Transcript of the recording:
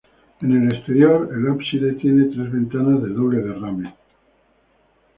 En el exterior, el ábside tiene tres ventanas de doble derrame.